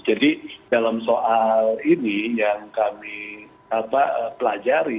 jadi dalam soal ini yang kami pelajari